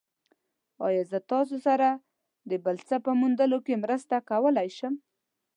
ایا زه تاسو سره د بل څه په موندلو کې مرسته کولی شم؟